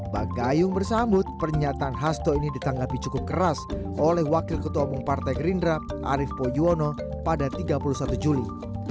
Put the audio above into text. bagayung bersambut pernyataan hasto ini ditanggapi cukup keras oleh wakil ketua umum partai gerindra arief poyuono pada tiga puluh satu juli